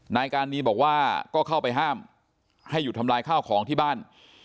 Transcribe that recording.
นายการนีบอกว่าก็เข้าไปห้ามให้หยุดทำลายข้าวของที่บ้าน